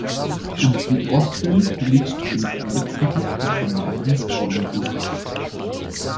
Im Südosten liegt ein Waldgebiet mit dem Namen "Dornbusch".